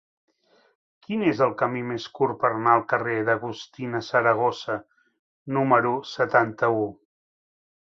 Quin és el camí més curt per anar al carrer d'Agustina Saragossa número setanta-u?